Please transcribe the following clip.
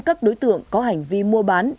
các đối tượng có hành vi mua bán